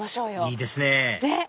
いいですね